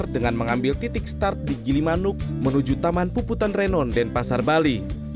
dengan mengambil titik start di gilimanuk menuju taman puputan renon denpasar bali